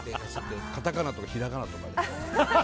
カタカナとかひらがなとかで。